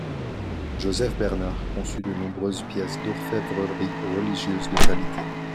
Joseph Bernard conçut de nombreuses pièces d'orfèvrerie religieuse de qualité.